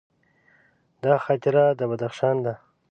دا خاطره د بدخشان ده.